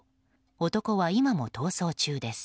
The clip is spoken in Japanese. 男は今も逃走中です。